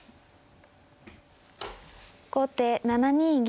後手７二銀。